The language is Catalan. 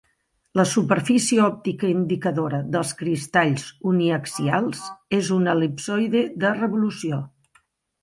La superfície òptica indicadora dels cristalls uniaxials és un el·lipsoide de revolució.